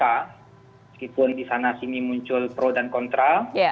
meskipun di sana sini muncul pro dan kontra